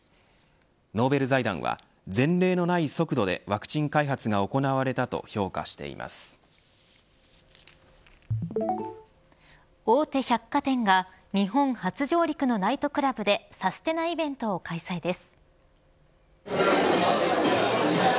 ノーベル財団は前例のない速度でワクチン開発が行われたと大手百貨店が日本初上陸のナイトクラブでサステナイベントを開催です。